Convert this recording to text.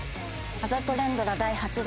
あざと連ドラ第８弾